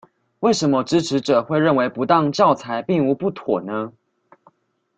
為什麼支持者會認為不當教材並無不妥呢？